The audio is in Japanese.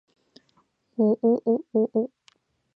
おおおおお